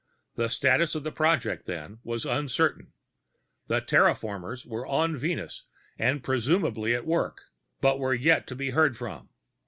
The status of the project, then, was uncertain: the terraformers were on Venus and presumably at work, but were yet to be heard from.